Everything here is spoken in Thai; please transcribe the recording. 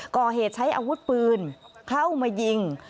ก่อเหตุใช้อาวุธปืนเข้ามายิง